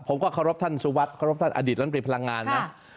ผมก็ขอรบท่านสุวัสดิ์ขอรับท่านอดีตร้อนปลีกพลังงานนะ